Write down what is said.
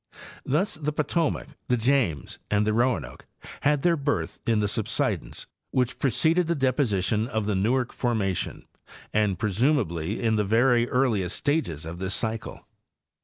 Thus the Potomac, the James and the Roanoke had their birth in the subsidence which preceded the deposition of the Newark formation, and presumably in the very earliest stages of this cycle.